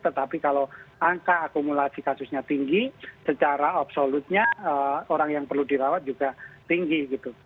tetapi kalau angka akumulasi kasusnya tinggi secara absolutnya orang yang perlu dirawat juga tinggi gitu